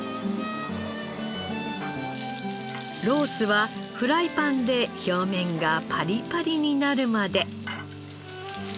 ロースはフライパンで表面がパリパリになるまで。